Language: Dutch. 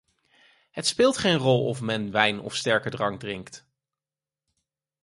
Het speelt geen rol of men wijn of sterke drank drinkt.